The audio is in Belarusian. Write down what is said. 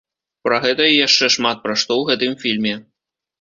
Пра гэта і яшчэ шмат пра што ў гэтым фільме.